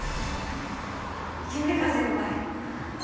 夢叶先輩！